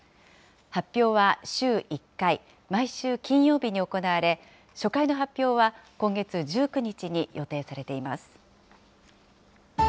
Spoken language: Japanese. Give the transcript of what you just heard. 発表は週１回、毎週金曜日に行われ、初回の発表は今月１９日に予定されています。